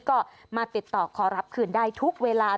ก็มาติดต่อขอรับคืนได้ทุกเวลา